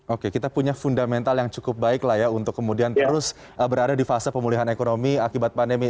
oke kita punya fundamental yang cukup baik lah ya untuk kemudian terus berada di fase pemulihan ekonomi akibat pandemi